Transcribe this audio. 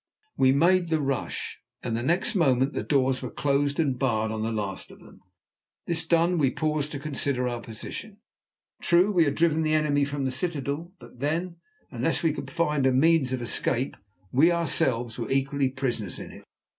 We made the rush, and next moment the doors were closed and barred on the last of them. This done, we paused to consider our position. True we had driven the enemy from the citadel, but then, unless we could find a means of escape, we ourselves were equally prisoners in it.